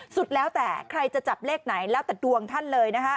สุดแล้วแต่ใครจะจับเลขไหนแล้วแต่ดวงท่านเลยนะคะ